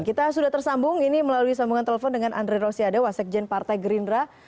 kita sudah tersambung ini melalui sambungan telepon dengan andre rosiade wasekjen partai gerindra